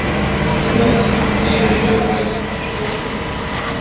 Smith's leadership was controversial.